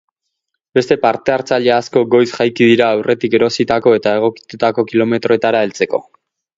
Beste partehartzaile asko goiz jaiki dira aurretik erositako eta egokitutako kilometroetara heltzeko.